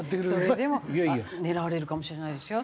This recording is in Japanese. それでも狙われるかもしれないですよ。